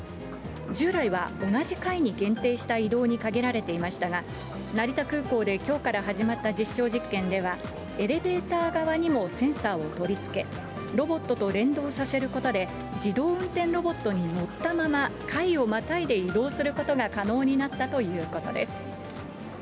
従来は、同じ階に限定した移動に限られていましたが、成田空港できょうから始まった実証実験では、エレベーター側にもセンサーを取り付け、ロボットと連動させることで自動運転ロボットに乗ったまま階をまたいで移動することが可能になったということです。